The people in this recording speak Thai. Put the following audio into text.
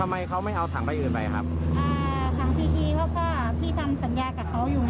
ทำไมเขาไม่เอาถังใบอื่นไปครับอ่าถังพีพีเพราะว่าพี่ทำสัญญากับเขาอยู่